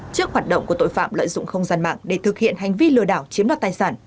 trước hoạt động của tội phạm lợi dụng không gian mạng để thực hiện hành vi lừa đảo chiếm đoạt tài sản